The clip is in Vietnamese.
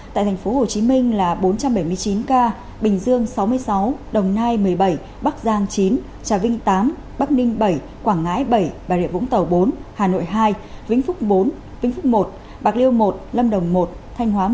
tại tp hcm là bốn trăm bảy mươi chín ca bình dương sáu mươi sáu đồng nai một mươi bảy bắc giang chín trà vinh tám bắc ninh bảy quảng ngãi bảy bà rịa vũng tàu bốn hà nội hai vĩnh phúc bốn vĩnh phúc một bạc liêu một lâm đồng một thanh hóa